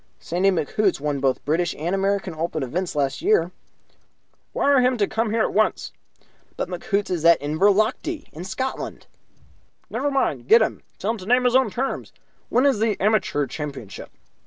"Sandy McHoots won both British and American Open events last year." "Wire him to come here at once." "But McHoots is in Inverlochty, in Scotland." "Never mind. Get him; tell him to name his own terms. When is the Amateur Championship?"